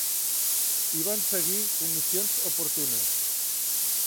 Hi van seguir comissions oportunes.